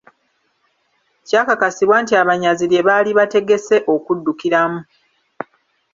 Kyakakasibwa nti abanyazi lye baali bategese okuddukiramu.